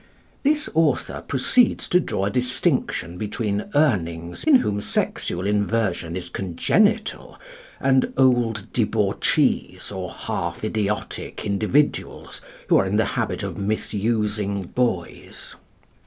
" This author proceeds to draw a distinction between Urnings in whom sexual inversion is congenital, and old debauchees or half idiotic individuals, who are in the habit of misusing boys.